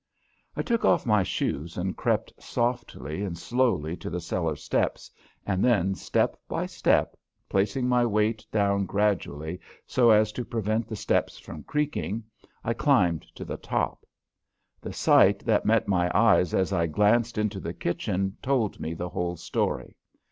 I took off my shoes and crept softly and slowly to the cellar steps, and then step by step, placing my weight down gradually so as to prevent the steps from creaking, I climbed to the top. The sight that met my eyes as I glanced into the kitchen told me the whole story.